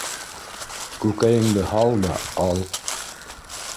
Күкәйеңде һал да, ал!